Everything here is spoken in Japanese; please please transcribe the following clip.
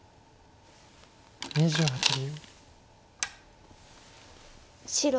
２８秒。